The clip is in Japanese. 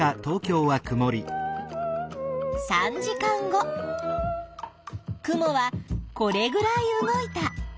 ３時間後雲はこれぐらい動いた。